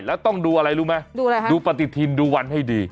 แล้วต้องดูอะไรรู้มั้ยดูปฏิทินดูวันให้ดี